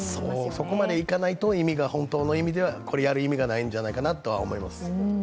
そこまでいかないと本当の意味で、これをやる意味がないんじゃないかなと思います。